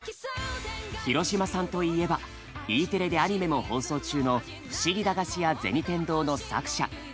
廣嶋さんといえばＥテレでアニメも放送中の「ふしぎ駄菓子屋銭天堂」の作者。